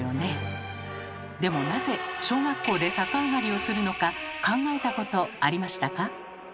でもなぜ小学校で逆上がりをするのか考えたことありましたか？